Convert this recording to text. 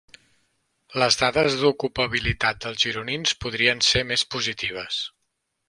Les dades d'ocupabilitat dels gironins podrien ser més positives.